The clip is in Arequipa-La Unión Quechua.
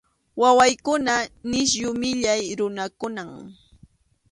Wawaykunan nisyu millay runakunam.